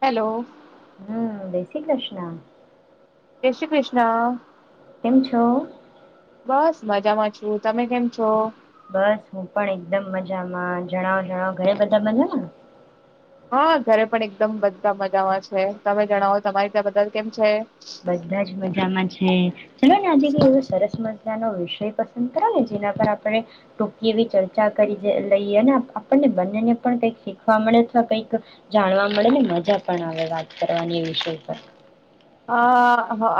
Hello. હમ જય શ્રી કૃષ્ણ. જય શ્રી કૃષ્ણ. કેમ છો? બસ મજામાં છું તમે કેમ છો. બસ હું પણ એકદમ મજામાં જણાવો જણાવો ઘરે બધા મજા. હા ઘરે પણ એકદમ બધા મજામાં છે તમે જણાવો તમારી ત્યાં બદલ કેમ છે. બધા જ મજામાં છે ચલો ને આજે કઈ એવો સરસ મજાનોો વિષય પસંદ કરો ને જેના પર આપણે ટૂંકી એવી ચર્ચા કરી લઈએ અને આપણને બંનેને પણ કઈક શીખવા મળે અથવા કઈક જાણવા મળે ને મજા પણ આવે વાત કરવાની વિષય પર. અ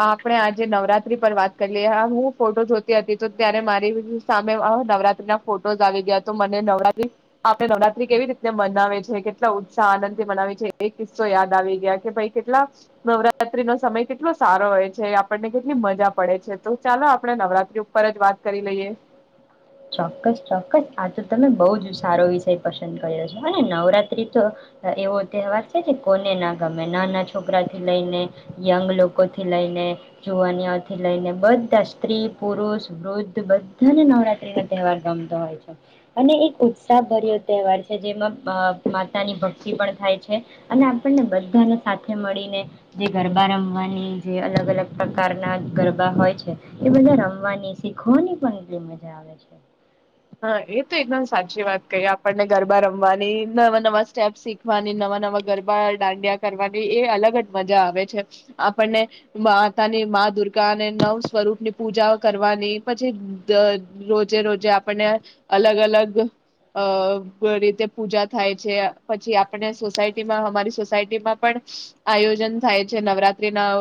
આપણે આજે નવરાત્રી પર વાત કરી લએ હ હું ફોટો જોતી હતી તો ત્યારે મારી સામે નવરાત્રી ના ફોટોઝ આવી ગયા તો મને નવરાત આપણે નવરાત્રી કેવી રીત મનાવે છે કેટલા ઉત્સાહ આનંદ થી મનાવે છે એ કિસ્સો યાદ આવી ગયા કે ભાઈ કેટલા નવરા નવરાત્રી નો સમય કેટલો સારો હોય છે આપણને કેટલી મજા પડે છે તો ચાલો આપણે નવરાત્રી ઉપર જ વાત કરી લઈએ. ચોક્કસ ચોક્કસ આ તો તમે બહ જ સારો વિષય પસંદ કર્યો છો અને નવરાત્રી તો એવો તહેવાર છે કે કોને ના ગમે નાના છોકરા થી લઈને યંગ લોકો થી લઈને જુવાનઓથી લઈને બધા સ્ત્રી પુરુષ વૃદ્ધ બધાને નવરાત વાર રમતો હોય છે અને એક ઉત્સાહભર્યો તહેવાર છે જેમાં માતાની ભક્તિ પણ થાય છે અને આપણને બધાને સાથે મળીને જે ગરબા રમવાની જે અલગ અલગ પ્રકારના ગરબા હોય છે એ બધા રમવાની શીખવાની પણ એટલી મજા આવે. અચ્છા. હા એ તો એકદમ સાચી વાત કહી આપણને ગરબા રમવાની નવા નવા સ્ટેપ શીખવાની નવા નવા ગરબા દાંડિયા કરવાની એ અલગ જ મજા આવે છે આપણને માતાની મા દુર્ગાને નવ સ્વરૂપ ની પૂજા કરવાની પછી રોજે રોજે અલગ અલગ અ રીતે પૂજા થાય છે પછી આપને સોસાયટીમાં હમારી સોસાયટીમાં પણ આયોજન થાય છે નવરાત્રીના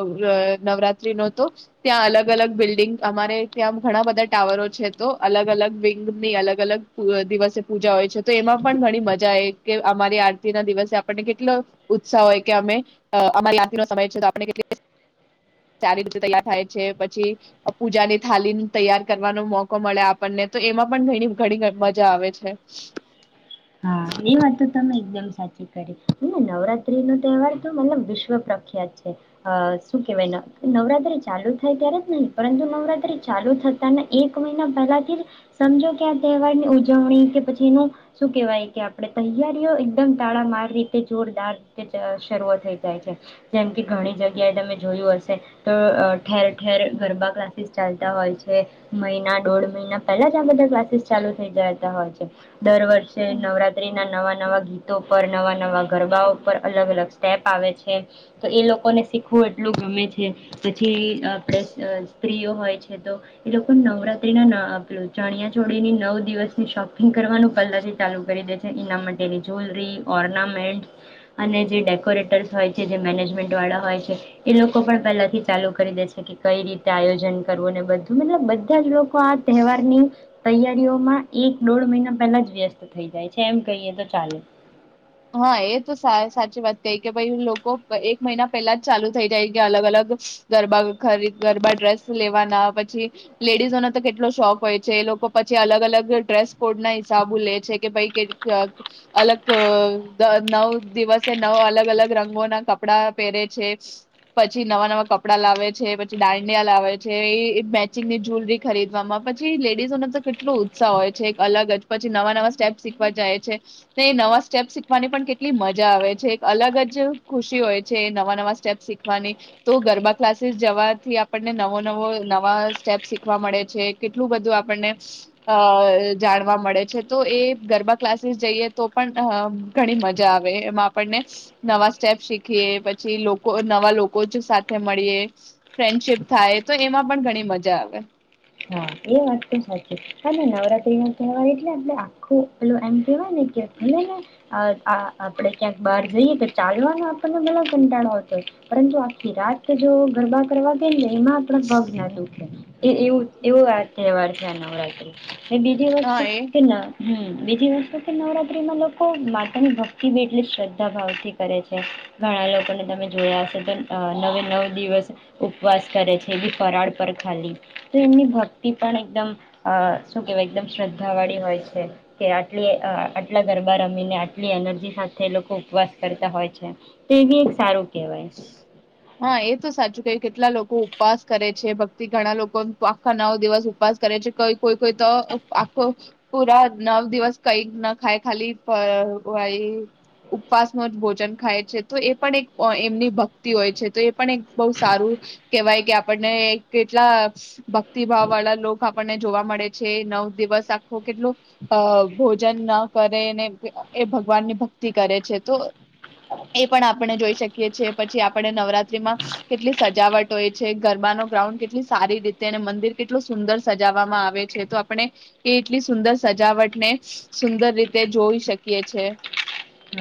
નવરાત્રીનો તો ત્યાં અલગ અલગ બિલ્ડિંગ અમારે ત્યાં ઘણા બધા ટાવરો છે તો અલગ અલગ ની અલગ અલગ દિવસે પૂજા હોય છે તો એમાં પણ ઘણી મજા આવે કે અમારી આરતીના દિવસે આપણને કેટલો ઉત્સાહ હોય કે અમે અમારી આરતનો સમય છેટલી સારી રીતે તૈયાર થાય છે પછી પૂજાની થાલી તૈયાર કરવાનો મોકો મળે આપણને તો એમાં પણ ઘણી ઘણી મજા આવે છે. હા એ વાત તો તમે એકદમ સાચી કરી નવરાત્રીનો તહેવાર તો મતલબ વિશ્વ પ્રખ્યાત છે અ શું કેવાય નવરાત્રી ચાલુ થાય ત્યારે જ નહી પરંતુ નવરાત્રી ચાલુ થતાના એક મહિના પહેલાથી જ સમજો કે આ તહેવારની ઉજવણી કે પછી એનું શું કેવાય કે આપણે તૈયારીઓ એકદમ તાડામાર રીતે જોરદારીતે શરૂઆ થઈ જાય છે જેમ કે ઘણી જગ્યાએ તમે જોયું હશે તો ઠેર ઠેર ગરબા ક્લાસીસ ચાલતા હોય છે મહિના દોઢ મહિના પહેલા જ આ બધા ક્લાસીસ ચાલુ થઈ જતા હોય છે દર નવરાત્રીના નવા નવા ગીતો પર નવા નવા ગરબાઓ પર અલગ અલગ સ્ટેપ આવે છે તો એ લોકોને શીખવું એટલું ગમે છે પછી આપણે સ્ત્રીઓ હોય છે તો એ લોકો નવરાત્રીના ચણિયાચોળીની નવ દિવસની શોપિંગ કરવાનું પહેલા છે. ચાલુ કરી દે છે એના માટેની જ્વેલરી ઓર્નામેન્ટ અને જે ડેકોરેટર્સ હોય છે જે મેનેજમેન્ટ વાળા હોય છે એ લોકો પણ પહેલાથી ચાલુ કરી દે છે કે કઈ રીતે આયોજન કરવું ને બધું મતલબ બધા જ લોકો આ તહેવારની તૈયારીઓમાં એક દોઢ મહિના પહેલા જ વ્યસ્ત તો થઈ જાય છે. એમ કહીએ તો ચાલે. હા, એ તો સા સાચી વાત કઈ કે ભઈ લોકો પ એક મહિના પહેલા જ ચાલુ થઈ જાય કે અલગ અલગ ગરબા ખરી ગરબા ડ્રેસ લેવાના પછી લેડીઝોને તો કેટલો શોખ હોય છે. એ લોકો પછી અલગ અલગ ડ્રેસ કોડના હિસાબુ લે છે. કે ભઈ કે ક અલગ અ દ નવ દિવસે નવ અલગ અલગ રંગોના કપડા પહેરે છે, પછી નવા નવા કપડા લાવે છે, પછી દાંડિયા લાવે છે, ઈ એ મેચિંગની જુલરી ખરીદવામાં પછી લેડીઝોને તો કેટલો ઉત્સાહ હોય છે. એક અલગ જ પછી નવા નવા સ્ટેપ શીખવા જાય છે. તો એ નવા સ્ટેપ સી ખવાની પણ કેટલી મજા આવે છે. એક અલગ જ ખુશી હોય છે. એ નવા નવા સ્ટેપ શીખવાની તો ગરબા ક્લાસીસ જવાથી આપણને નવો નવો નવા સ્ટેપ શીખવા મળે છે. કેટલું બધું આપણને અ જાણવા મળે છે. તો એ ગરબા ક્લાસીસ જઈએ તો પણ અ ઘણી મજા આવે એમાં આપણને નવા સ્ટેપ શીખીએ, પછી લોકો નવા લોકો જ સાથે મળીએ ફ્રેન્ડશીપ થાય તો એમાં પણ ઘણી મજા આવે. હા, એ વાત તો સાચી. હા ને નવરાત્રી નો તહેવાર એટલે આપળે આખું પેલું એમ કહેવાય ને કે ભલે ને અ આ આપડે ક્યાંક બાર જઈએ તો ચાલવાનો આપણને ભલે કંટાળો આવતો હોય પરંતુ આખી રાત જો ગરબા કરવા ગઈને એમાં આપડા પગ ના દુખે. એ એવું એવું આ તહેવાર છે, આ નવરાત્રી. એ બીજી વસ્તુ હા એ કે ના, હમ્મ. બીજી વસ્તુ કે નવરાત્રિમાં લોકો માતાની ભક્તિ બી એટલી શ્રદ્ધા ભાવથી કરે છે. ઘણા લોકોને તમે જોયા હશે તો અ નવે નવ દિવસ ઉપવાસ કરે છે. એ બી ફરાળ પર ખાલી. તો એમની ભક્તિ પણ એકદમ અ શું કેવાય એકદમ શ્રદ્ધા વાળી હોય છે કે, આટલી અ આટલા ગરબા રમીને, આટલી એનર્જી સાથે લોકો ઉપવાસ કરતા હોય છે. તે બી એક સારું કેવાય. હા, એ તો સાચું કહ્યું. કેટલા લોકો ઉપવાસ કરે છે, ભક્તિ ઘણા લોકો તો આખા નવ દિવસ ઉપવાસ કરે છે. ક કોઈ કોઈ તો આખો પૂરા નવ દિવસ કઈ જ ન ખાય ખાલી પ વાય ઉપવાસનો જ ભોજન ખાય છે. તો એ પણ એક અ એમની ભક્તિ હોય છે. તો એ પણ એક બોવ સારું કેવાય કે આપણને કેટલા ભક્તિભાવ વાળા લોક આપણને જોવા મળે છે. નવ દિવસ આખું કેટલું અ ભોજન ન કરે ને એ ભગવાનની ભક્તિ કરે છે. તો એ પણ આપણે જોઈ શકીએ છે. પછી આ પણે નવરાત્રીમાં કેટલી સજાવટ હોય છે. ગરબાનો ગ્રાઉન્ડ કેટલી સારી રીતે ને મંદિર કેટલું સુંદર સજાવામાં આવે છે. તો આપણે એ એટલી સુંદર સજાવટને સુંદર રીતે જોઈ શકીએ છે.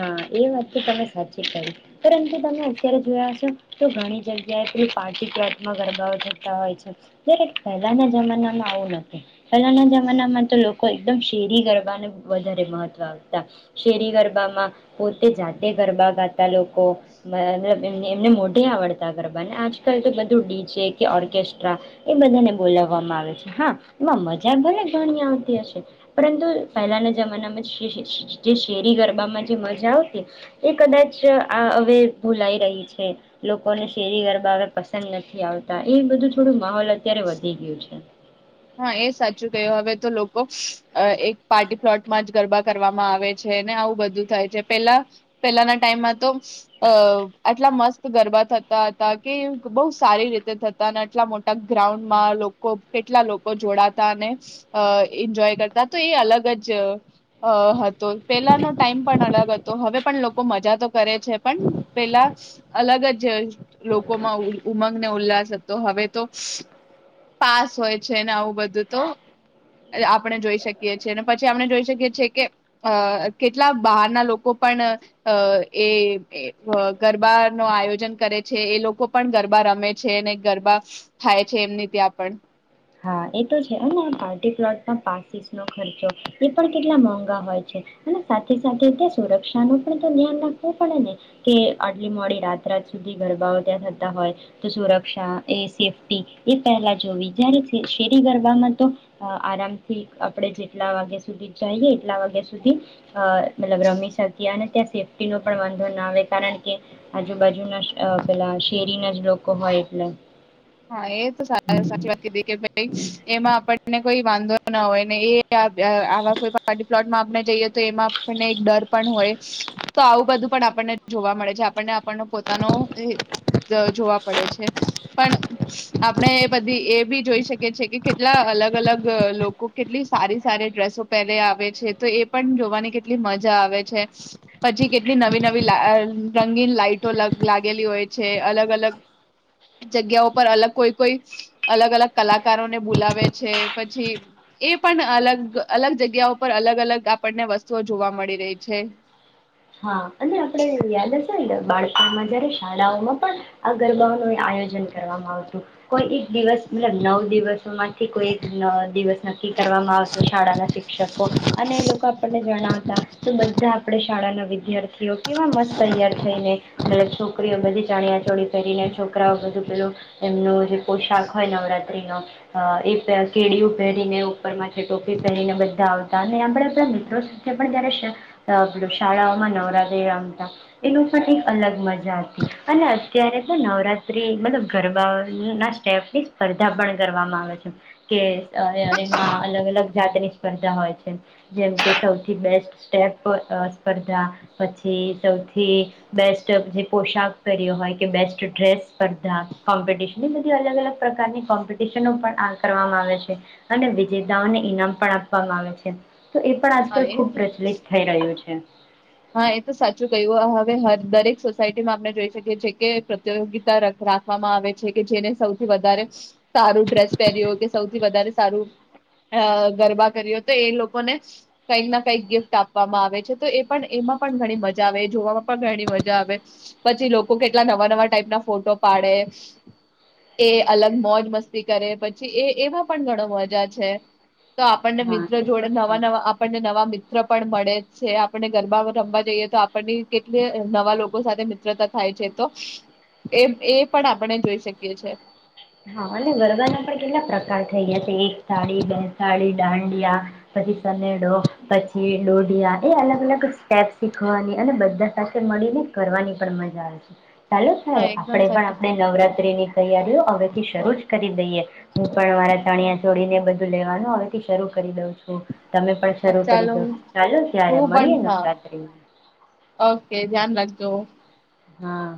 હા, એ વાત તો તમે સાચી કરી. પરંતુ તમને અત્યારે જોયા હસો તો ઘણી જગ્યાએ પેલી પાર્ટી પ્લોટમાં ગરબાઓ થતા હોય છે. જ્યારે પહેલાના જમાનામાં આવું નોતું. પહેલાના જમાનામાં તો લોકો એકદમ શેરી ગરબાને વધારે મહત્વ આપતા. શેરી ગરબામાં પોતે જાતે ગરબા ગાતા લોકો. મલબ એમને એમને મોઢે આવડતા ગરબા ને આજકાલ તો બધું ડી જે કે ઓર્કેસ્ટ્રા એ બધાને બોલાવવામાં આવે છે. હા, એમાં મજા ભલે ઘણી આવતી હશે પરંતુ પહેલાના જમાનામાં ષ ષ ષ જે શેરી ગરબામાં જે મજા આવતી એ કદાચ આ હવે ભૂલાઈ રહી છે. લોકોને શેરી ગરબા હવે પસંદ નથી આવતા. એવું બધું થોડું માહોલ અત્યારે વધી ગ્યું છે. હા, એ સાચું કહ્યું. હવે તો લોકો અ એક પાર્ટી પ્લોટમાં જ ગરબા કરવામાં આવે છે ને આવું બધું થાય છે. પેલા પેલાના ટાઈમમાં તો અ આટલા મસ્ત ગરબા થતા હતા કે બોવ સારી રીતે થતા ને આટલા મોટા ગ્રાઉન્ડમાં લોકો કેટલા લો કો જોડાતા અને અ એન્જોય કરતા. તો એ અલગ જ હ હતો. પેલાનો ટાઈમ પણ અલગ હતો હવે પણ લોકો મજા તો કરે છે પણ પેલા અલગ જ લોકોમાં ઉ ઉમંગને ઉલ્લાસ હતો. હવે તો પાસ હોય છે ને આવું બધું તો અ આપણે જોઈ શકીએ છીએ ને પછી આપણે જોઈ શકીએ છીએ કે અ કેટલા બહારના લોકો પણ અ એ એ ગ ગરબા નો આયોજન કરે છે. એ લોકો પણ ગરબા રમે છે ને ગરબા થાય છે એમની ત્યાં પણ. હા, એ તો છે. અને આ પાર્ટી પ્લોટના પાસીસનો ખર્ચો એ પણ કેટલા મોંઘા હોય છે અને સાથે સાથે ત્યાં સુરક્ષાનો પણ તો ધ્યાન રાખવું પડે ને કે આટલી મોડી રાત રાત સુધી ગરબાઓ ત્યાં થતા હોય તો સુરક્ષા એ સેફ્ટી એ પહેલા જોવી. જ્યારે શેરી ગરબામાં તો અ આરામથી આપણે જેટલા વાગ્યા સુધી જાએ એટલા વાગ્યા સુધી અ મતલબ રમી શકીએ અને ત્યાં સેફ્ટીનો પણ વાંધો ના આવે. કારણ કે, આજુબાજુના ષ અ પેલા શેરીના જ લોકો હોય એટલે. હા એ તો સા આયો સાચી વાત કીધી કે ભઈ એજ એમાં આપણને કોઈ વાંધો ના હોય ને એ આ-આવા કોઈ પાર્ટી પ્લોટમાં આપણે જઈએ તો એમાં આપણને એક ડર પણ હોય. તો આવું બધું પણ આપણને જોવા મળે છે. આપણને આપણ પોતાનો એ જોવા પડે છે પણ આપણે એ બધી એ બી જોઈ શકીએ છીએ કે કેટલા અલગ અલગ અહ લોકો કેટલી સારી સારી ડ્રેસો પહેરે આવે છે. તો એ પણ જોવાની કેટલી મજા આવે છે. પછી કેટલી નવી નવી લા આહ રંગીન લાઈટો લગ-લાગેલી હોય છે. અલગ અલગ જગ્યાઓ પર અલગ કોઈ કોઈ અલગ અલગ કલાકારો ને બુલાવે લાવે છે પછી એ પણ અલગ અલગ જગ્યા ઉપર અલગ અલગ આપણને વસ્તુઓ જોવા મળી રહી છે. હા અને આપડે યાદ હશે ને બાળપણમાં જયારે શાળાઓમાં પણ આ ગરબાઓનો આયોજન કરવામાં આવતું. કોઈ એક દિવસ મતલબ નવ દિવસો માંથી કોઈ એક અહ દિવસ નક્કી કરવામાં આવતો શાળાના શિક્ષકો અને એ લોકો આપણને ગણાવતા તો બધા આપણે શાળાના વિદ્યાર્થીઓ કેવા મસ્ત તૈયાર થઈને એટલે છોકરીઓ બધી ચાણિયાચોળી પેરીને છોકરાઓ બધું પેલું એમનું જે પોશાક હોય નવરાત્રીનો હા એ પેર કેડિયું પહેરીને ઉપર માંથે ટોપી પહેરીને બધા આવતા અને આમ આપડા મિત્રો સાથે પણ જયારે શ અહ શાળા માં નવરાત્રી રમતા એનું સાથ એક અલગ મજા હતી. અને અત્યારે તો નવરાત્રી મતલબ ગરબાના સ્ટેપની સ્પર્ધા પણ કરવામાં આવે છે. કે અ એમાં અલગ અલગ જાતની સ્પર્ધા હોય છે. જેમ કે સૌથી બેસ્ટ અહ સ્પ ધા પછી તો થી બેસ્ટ જે પોશાક કર્યો હોય કે બેસ્ટ ડ્રેસ સ્પર્ધા કોમ્પિટશન એ બધી અલગ અલગ પ્રકારની કોમ્પિટિશનો પણ આ કરવામાં આવે છે. અને વિજેતાઓને ઈનામ પણ આપવામાં આવે છે. તો એ પણ હા આજકાલ એ ખુબ તો પ્રચલિત થઈ રહ્યું છે. હા એ તો સાચું કયું હ-હવે હર દરેક સોસાયટી માં આપને જોઈ શકીએ છે કે પ્રતિયોગિતા રખ- રાખવા માં આવે છે કે જેને સૌથી વધારે સારું ડ્રેસ પહેર્યો કે સૌથી વધારે સારું અહ ગરબા કર્યો તો એ લોકોને કઈ ના કઈક ગિફ્ટ આપવામાં આવે છે તો એ પણ એમાં પણ ઘણી મજા આવે. એ જોવામાં પણ ઘણી મજા આવે. પછી લોકો કેટલા નવા નવા ટાઈપ ના ફોટો પાડે. એ અલગ મોજ મસ્તી કરે પછી એ એમાં પણ ઘણો મજા છે. તો આપણને હા મિત્રો એ તો જોડે છે. નવા નવા આપણને નવા મિત્ર પણ મળે છે. આ પણે ગરબા રમવા જઈએ તો આપણની કેટલે નવા લોકો સાથે મિત્રતા થાય છે તો એમ એ પણ આપણને જોઈ શકીએ છે. હા અને ગરવાના પણ કેટલા પ્રકાર થઈ ગયા છે. એક તાળી બે તાળી દાંડિયા પછી સનેડો પછી ડોઢિયા એ અલગ અલગ સ્ટેપ શીખવાની અને બધા સાથે મળીને કરવાની પણ મજા આવે છે. ચાલુ થાય હા એકદમ આપડે પણ સાથે આપણે નવરાત્રિ ની તૈયારીઓ હવે શરૂ જ કરી દઈએ હું પણ મારા ચણિયા ચોડીને એ બધું લેવાનું હોયથી શરૂ કરી દઉં છું. તમે પણ હા શરૂ કરી ચાલો દો ચાલુ જ્યારે હું પણ મળીએ હા નવરાત્રિમાં ઓકે ધ્યાન રાખજો હા.